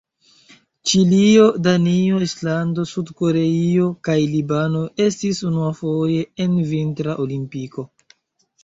Ĉilio, Danio, Islando, Sud-Koreio kaj Libano estis unuafoje en Vintra Olimpiko.